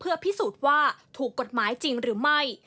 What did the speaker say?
พิสูจน์ว่าถูกกฎหมายจริงหรือไม่